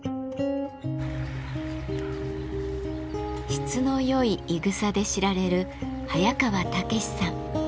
質の良いいぐさで知られる早川猛さん。